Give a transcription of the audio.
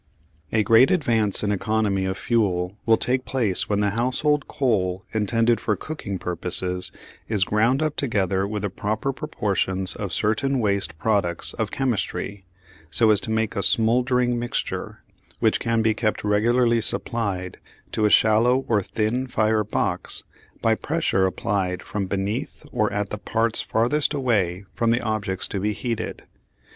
A great advance in economy of fuel will take place when the household coal intended for cooking purposes is ground up together with the proper proportions of certain waste products of chemistry, so as to make a "smouldering mixture" which can be kept regularly supplied to a shallow or thin fire box by pressure applied from beneath or at the parts farthest away from the objects to be heated.